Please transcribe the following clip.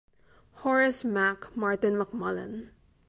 Horace "Mac" Martin McMullen.